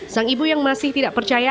sang ibu yang masih tidak percaya